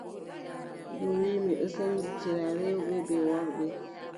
Ndu wii: mi ɗon sendindira rewɓe bee worɓe.